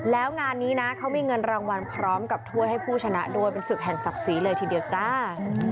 แล้วงานนี้นะเขามีเงินรางวัลพร้อมกับถ้วยให้ผู้ชนะด้วยเป็นศึกแห่งศักดิ์ศรีเลยทีเดียวจ้า